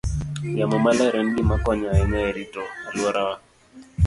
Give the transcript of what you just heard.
Yamo maler en gima konyo ahinya e rito alworawa.